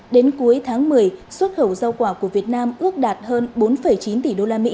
đến cuối tháng một mươi xuất khẩu rau quả của việt nam ước đạt hơn bốn chín tỷ usd